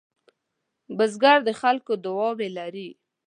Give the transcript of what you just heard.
بزګر د خلکو دعاوې لري